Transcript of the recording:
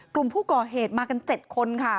กลุ่มผู้ก่อเหตุมากัน๗คนค่ะ